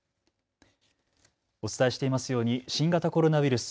お伝えしていますように新型コロナウイルス。